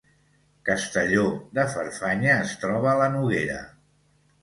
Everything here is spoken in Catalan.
Castelló de Farfanya es troba a la Noguera